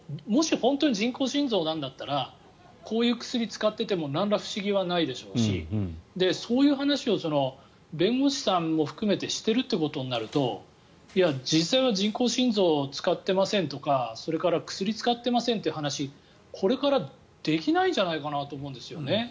もし本当に人工心臓なんだったらこういう薬を使っていてもなんら不思議はないでしょうしそういう話を弁護士さんも含めてしてるってことになると実際は人工心臓使ってませんとかそれから薬使ってませんという話これからできないんじゃないかと思うんですよね。